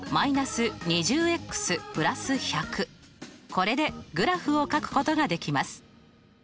これでグラフをかくことができます。